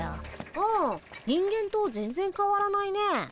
うん人間と全然変わらないね。